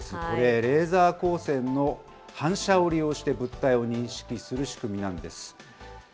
これ、レーザー光線の反射を利用して、物体を認識する仕組みなんです。